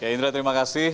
indra terima kasih